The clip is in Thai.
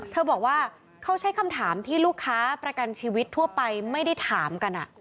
เขาบอกว่าเขาใช้คำถามที่ลูกค้าประกันชีวิตทั่วไปไม่ได้ถามกัน